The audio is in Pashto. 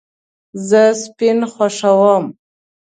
زه سپین خوښوم